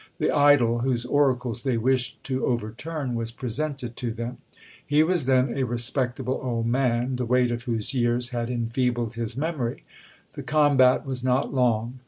The idol whose oracles they wished to overturn was presented to them. He was then a respectable old man, the weight of whose years had enfeebled his memory. The combat was not long.